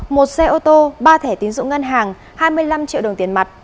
một xe ô tô ba thẻ tín dụng ngân hàng hai mươi năm triệu đồng tiền mặt